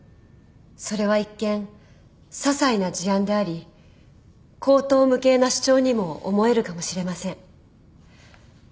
それは一見ささいな事案であり荒唐無稽な主張にも思えるかもしれません。